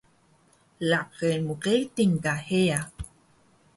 laqi mqedil ka heya